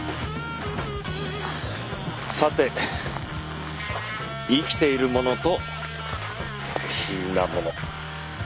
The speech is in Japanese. さて生きているものと死んだもの。